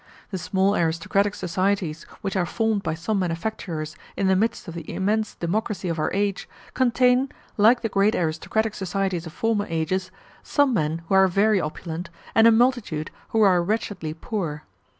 The small aristocratic societies which are formed by some manufacturers in the midst of the immense democracy of our age, contain, like the great aristocratic societies of former ages, some men who are very opulent, and a multitude who are wretchedly poor.